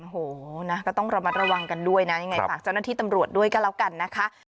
โอ้โหนะก็ต้องระมัดระวังกันด้วยนะยังไงฝากเจ้าหน้าที่ตำรวจด้วยกันแล้วกันนะคะ